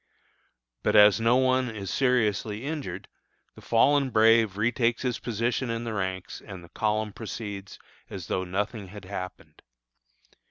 But as no one is seriously injured, the "fallen brave" retakes his position in the ranks and the column proceeds as though nothing had happened.